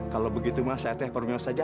kalo begitu mah saya teh paling enrol saja